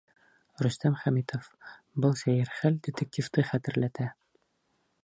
Рөстәм Хәмитов: Был сәйер хәл детективты хәтерләтә.